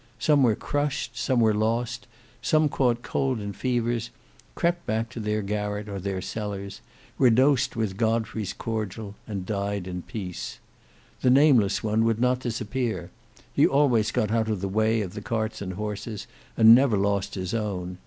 Some were crushed, some were lost, some caught cold and fevers, crept back to their garret or their cellars, were dosed with Godfrey's cordial, and died in peace. The nameless one would not disappear. He always got out of the way of the carts and horses, and never lost his own.